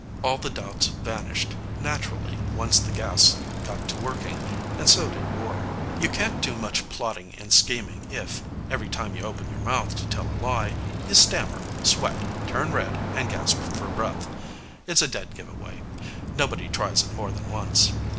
All the doubts vanished, naturally, once the gas got to working. And so did war. You can't do much plotting and scheming if, every time you open your mouth to tell a lie, you stammer, sweat, turn red and gasp for breath. It's a dead giveaway. Nobody tries it more than once.